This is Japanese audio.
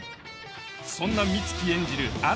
そんな美月演じる鳴宮